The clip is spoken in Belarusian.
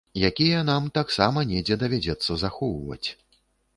Якія нам таксама недзе давядзецца захоўваць.